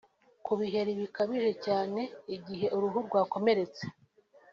Ku biheri bikabije cyane igihe uruhu rwakomeretse